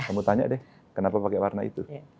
kamu tanya deh kenapa pakai warna itu